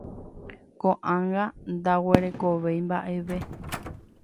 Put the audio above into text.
Koʼág̃a ndaguerekovéi mbaʼeve.